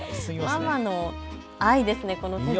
ママの愛ですね。